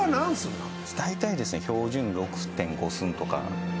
だいたいですね標準６．５寸とか。